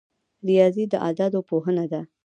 ریاضي د اعدادو پوهنه ده